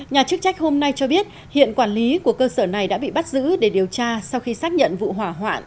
nhà chức trách hôm nay cho biết hiện quản lý của cơ sở này đã bị bắt giữ để điều tra sau khi xác nhận vụ hỏa hoạn